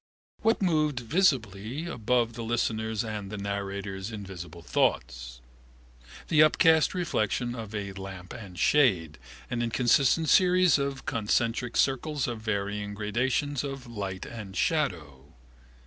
What moved visibly above the listener's and the narrator's invisible thoughts? The upcast reflection of a lamp and shade, an inconstant series of concentric circles of varying gradations of light and shadow.